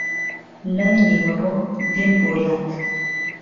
لای نیوەڕۆ دێم بۆ لات